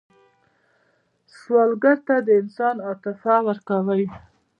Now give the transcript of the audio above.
سوالګر ته د انسان عاطفه ورکوئ